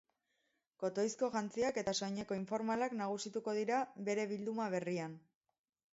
Kotoizko jantziak eta soineko informalak nagusituko dira bere bilduma berrian.